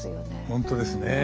本当ですね。